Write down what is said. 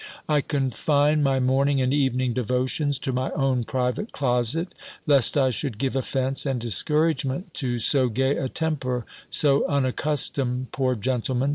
I confined my morning and evening devotions to my own private closet, lest I should give offence and discouragement to so gay a temper, so unaccustomed (poor gentleman!)